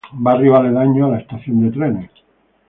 Barrio aledaño a la estación de trenes.